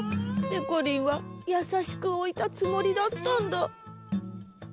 でこりんはやさしくおいたつもりだったんだ。